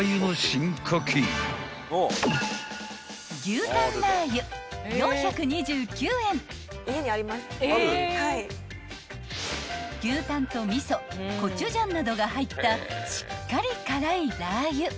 ［牛タンと味噌コチュジャンなどが入ったしっかり辛いラー油］